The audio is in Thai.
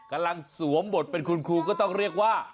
สวมบทเป็นคุณครูก็ต้องเรียกว่า